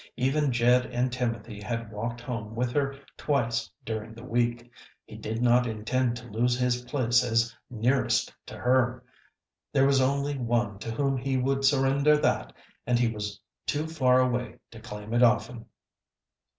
Even Jed and Timothy had walked home with her twice during the week. He did not intend to lose his place as nearest to her. There was only one to whom he would surrender that, and he was too far away to claim it often.